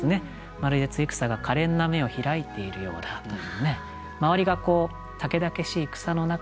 まるで露草がかれんな瞳をひらいているようだというね。